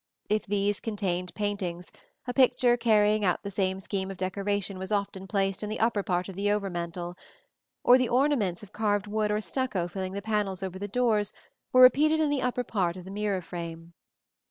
If these contained paintings, a picture carrying out the same scheme of decoration was often placed in the upper part of the over mantel; or the ornaments of carved wood or stucco filling the panels over the doors were repeated in the upper part of the mirror frame.